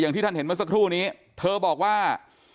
ที่ท่านเห็นเมื่อสักครู่นี้เธอบอกว่า